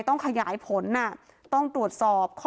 ต้องขยายผลต้องตรวจสอบข้อมูล